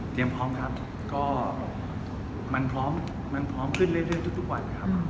เตรียมพร้อมครับก็มันพร้อมขึ้นเรื่อยทุกวันนะครับ